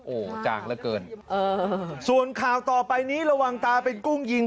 โอ้โหจ่างเหลือเกินเออส่วนข่าวต่อไปนี้ระวังตาเป็นกุ้งยิง